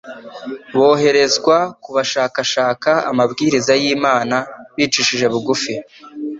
boherezwa ku bashakashaka amabwiriza y'Imana bicishije bugufi.